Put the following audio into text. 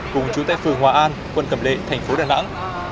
cùng chú tây phường hòa an quân cầm lệ thành phố đà nẵng